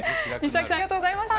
永岡さんありがとうございました。